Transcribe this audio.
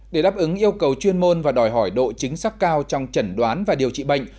để đáp ứng yêu cầu chuyên môn và đòi hỏi độ chính xác cao trong chẩn đoán và điều trị bệnh